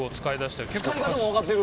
使い方も分かっている。